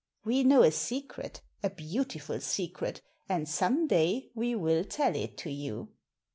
We know a secret, a beautiful secret, and some day we will tell it to you."